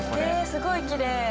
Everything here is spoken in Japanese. すごいきれい。